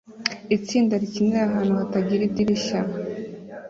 Itsinda rikinira ahantu hatagira idirishya